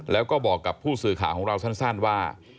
แล้วก็บอกกับผู้สื่อข่าวของเราสั้นว่า